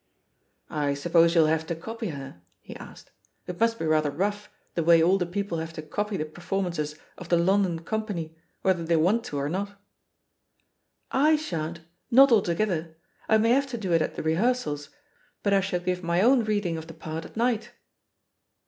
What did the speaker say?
"I suppose you'll have to copy her?" he asked. "It must be rather rough, the way all the people have to copy the performances of the London company, whether they want to or not ?" '^J shan't — ^not altogether. I may have to do it at the rehearsals, but I shall give my own read* ing of the part at night."